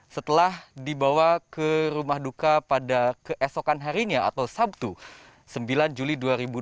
setelah dibawa ke rumah duka pada keesokan harinya atau sabtu sembilan juli dua ribu dua puluh